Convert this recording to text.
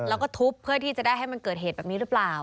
แล้วก็ทุบเพื่อที่จะได้ให้มันเกิดเหตุแบบนี้หรือเปล่า